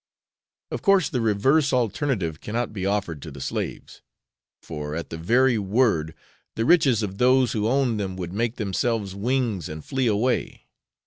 Of course the reverse alternative cannot be offered to the slaves, for at the very word the riches of those who own them would make themselves wings and flee away.